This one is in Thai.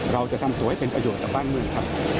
เราจะทำตัวให้เป็นประโยชน์ต่อบ้านเมืองครับ